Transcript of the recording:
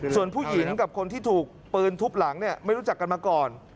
ส่วนผู้หญิงกับคนที่ถูกปืนทุบหลังเนี่ยไม่รู้จักกันมาก่อน